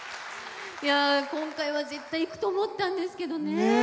今回は絶対いくと思ったんですけどね。